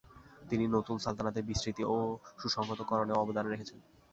তিনি নতুন সালতানাতের বিস্তৃতি ও সুসংহতকরণেও অবদান রেখেছেন।